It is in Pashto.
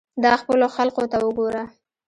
دا خپلو خلقو ته وګوره.